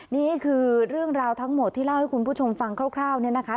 นี่คือเรื่องราวทั้งหมดที่เล่าให้คุณผู้ชมฟังคร่าวเนี่ยนะคะ